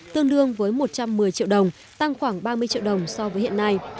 tương đương với một trăm một mươi triệu đồng tăng khoảng ba mươi triệu đồng so với hiện nay